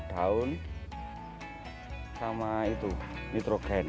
daun sama itu nitrogen